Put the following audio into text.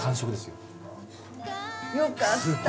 よかった！